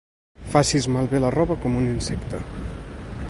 Facis malbé la roba com un insecte.